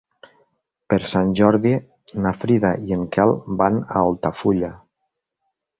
Per Sant Jordi na Frida i en Quel van a Altafulla.